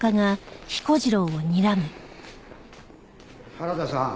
原田さん